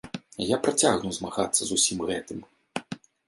Я працягну змагацца з усім гэтым.